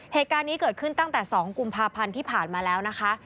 เหตุการณ์นี้เกิดขึ้นตั้งแต่๒กุมภาพันธ์ที่ผ่านมาแล้วนะคะ